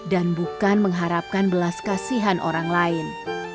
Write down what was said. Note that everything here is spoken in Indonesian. dan bukan mengharapkan belas kasihan orang lain